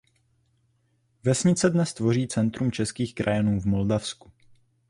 Vesnice dnes tvoří centrum českých krajanů v Moldavsku.